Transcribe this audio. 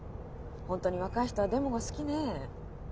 本当に若い人は「でも」が好きねえ。